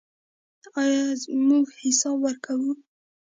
آیا موږ حساب ورکوو؟